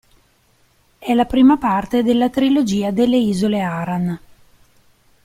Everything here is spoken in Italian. È la prima parte della "Trilogia delle Isole Aran".